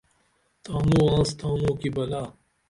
تانو انس تانو کی بلا